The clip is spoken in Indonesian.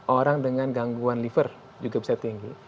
orang dengan gangguan liver juga bisa tinggi